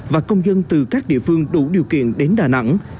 và công dân từ các địa phương đủ điều kiện đến đà nẵng